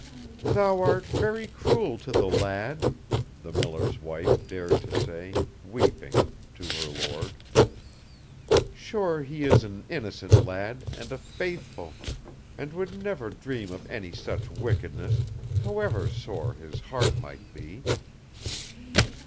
"Thou art very cruel to the lad," the miller's wife dared to say, weeping, to her lord. "Sure he is an innocent lad and a faithful, and would never dream of any such wickedness, however sore his heart might be."